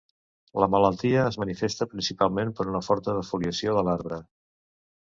La malaltia es manifesta principalment per una forta defoliació de l'arbre.